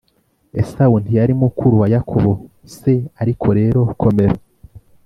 Esawu ntiyari mukuru wa Yakobo se Ariko rero komera